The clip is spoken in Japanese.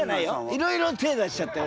いろいろ手出しちゃったよ。